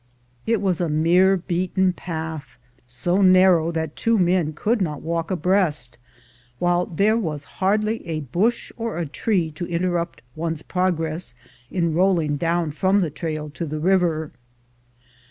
It was a mere beaten path — so narrow that two men could not walk abreast, while there was hardly a bush or a tree to interrupt one's progress in rolling down from the trail to the river.